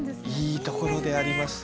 いいところであります。